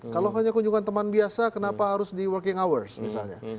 kalau hanya kunjungan teman biasa kenapa harus di working hours misalnya